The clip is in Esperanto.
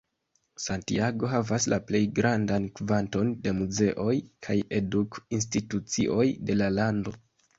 Santiago havas la plej grandan kvanton de muzeoj kaj eduk-institucioj de la lando.